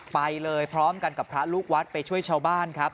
ไปเลยพร้อมกันกับพระลูกวัดไปช่วยชาวบ้านครับ